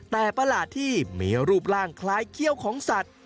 แต่ประหลาดที่มีรูปร่างคล้ายเขี้ยวของสัตว์